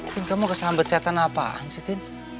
tin kamu kesambet setan apaan sih tin